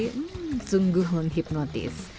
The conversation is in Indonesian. hmmm sungguh menghipnotis